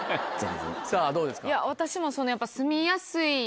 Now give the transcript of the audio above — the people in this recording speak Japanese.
さぁどうですか？